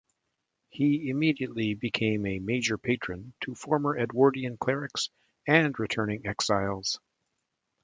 He immediately became a major patron to former Edwardian clerics and returning exiles.